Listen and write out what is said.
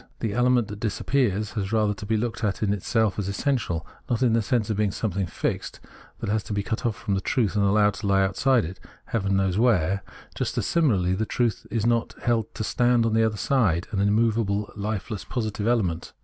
The element that disappears has rather to be looked at as itself essential, not in the sense of being something fixed, that has to be cut off from truth and allowed to lie outside it, heaven knows where ; just as similarly the truth is not to be held to stand on the other side as an immovable lifeless positive element.